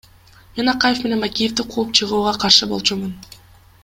Мен Акаев менен Бакиевди кууп чыгууга каршы болчумун.